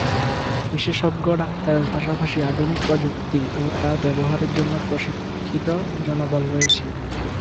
বিশেষজ্ঞ ডাক্তারের পাশাপাশি আধুনিক প্রযুক্তি ও তা ব্যবহারের জন্য প্রশিক্ষিত জনবল রয়েছে।